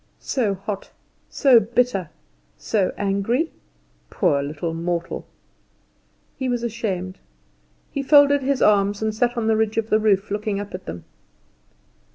"So hot, so bitter, so angry? Poor little mortal?" He was ashamed. He folded his arms, and sat on the ridge of the roof looking up at them.